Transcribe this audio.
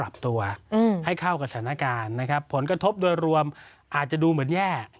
สถานการณ์นะครับผลกระทบโดยรวมอาจจะดูเหมือนแย่